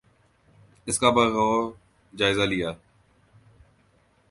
اس کا بغور جائزہ لیا۔